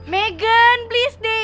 megan please deh